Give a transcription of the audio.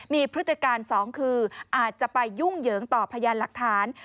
มีพฤติการสองคืออาจจะไปยุ่งเหยิงต่อพยานหลักฐาน